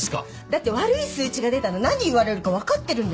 だって悪い数値が出たら何言われるか分かってるんですから。